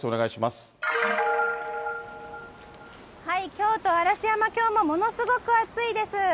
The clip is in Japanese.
京都・嵐山、きょうもものすごく暑いです。